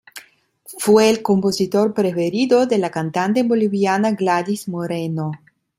Fue el compositor preferido de la cantante boliviana Gladys Moreno.